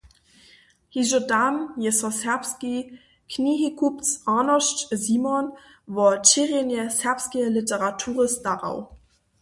Hižo tam je so serbski knihikupc Arnošt Simon wo šěrjenje serbskeje literatury starał.